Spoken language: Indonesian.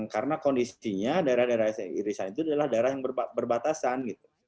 karena kondisinya daerah daerah irisan itu adalah daerah yang berbatasan